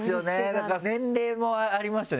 だから年齢もありますよね